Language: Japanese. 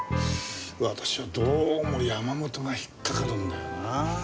私はどうも山本が引っかかるんだよな。